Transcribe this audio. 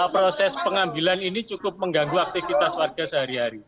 proses pengambilan ini cukup mengganggu aktivitas warga sehari hari